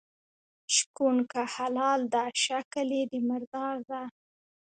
شکوڼ که حلال ده شکل یي د مردار ده.